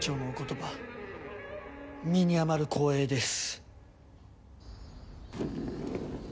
葉身に余る光栄です。